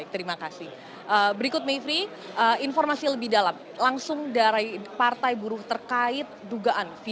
terima kasih berikut mayfri informasi lebih dalam langsung dari partai buruh terkait dugaan video hoax yang akan mereka laporkan di barreskrim jakarta selatan pada hari ini mayfri